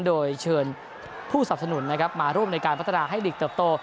โดยเชิญผู้สับสนุนนะครับมาร่วมในการพัฒนาให้ลีกเติบโต